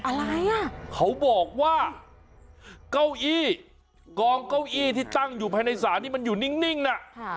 อะไรอ่ะเขาบอกว่าเก้าอี้กองเก้าอี้ที่ตั้งอยู่ภายในศาลที่มันอยู่นิ่งน่ะค่ะ